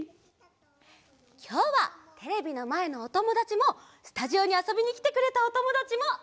きょうはテレビのまえのおともだちもスタジオにあそびにきてくれたおともだちもいっしょにあそぶよ。